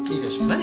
何？